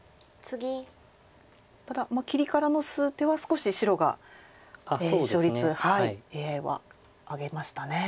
ただ切りからの数手は少し白が勝率ＡＩは上げましたね。